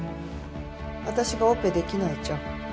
私がオペ出来ないじゃん。